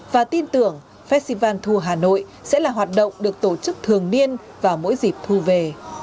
và tin tưởng festival thu hà nội sẽ là hoạt động được tổ chức thường niên vào mỗi dịp thu về